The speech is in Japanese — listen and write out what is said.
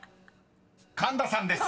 ［神田さんです］